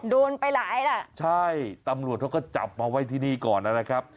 โดนไปหลายล่ะใช่ตำรวจเขาก็จับมาไว้ที่นี่ก่อนนะครับ